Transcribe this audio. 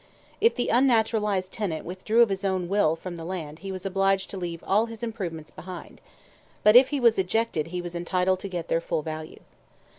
If the unnaturalized tenant withdrew of his own will from the land he was obliged to leave all his improvements behind; but if he was ejected he was entitled to get their full value.